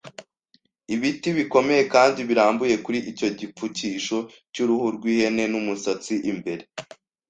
ibiti bikomeye, kandi birambuye kuri icyo gipfukisho cy'uruhu rw'ihene, n'umusatsi imbere.